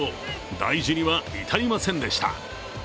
大事には至りませんでした。